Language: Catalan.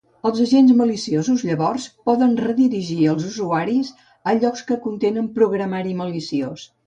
Els agents maliciosos llavors poden redirigir els usuaris a llocs que contenen programari maliciós.